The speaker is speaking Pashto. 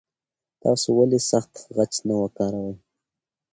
تاسو ولې سخت خج نه وکاروئ؟